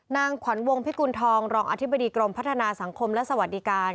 นางขวัญวงพิกุณฑองรองอธิบดีกรมพัฒนาสังคมและสวัสดิการ